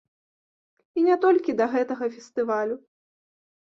І не толькі да гэтага фестывалю.